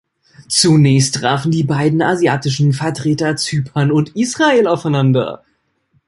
Zunächst trafen die beiden asiatischen Vertreter Zypern und Israel aufeinander.